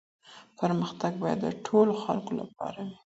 پرمختګ باید د ټولو خلګو لپاره وي.